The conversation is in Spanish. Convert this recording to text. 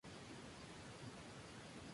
Formaban parte de una cruz patada.